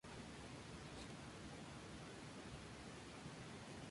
Selección de algunos trozos de óperas y canciones interpretadas por Enrico Caruso.